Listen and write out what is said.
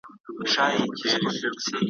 ته دښمنه یې د خپلو چي تنها یې ,